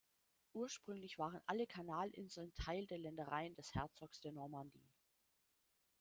Ursprünglich waren alle Kanalinseln Teil der Ländereien des Herzogs der Normandie.